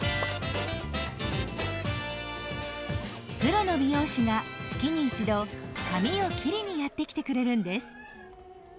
プロの美容師が月に１度髪を切りにやって来てくれるんです。